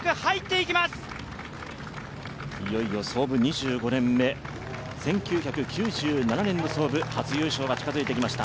いよいよ創部２５年目、１９９７年の創部、初優勝が近づいてきました。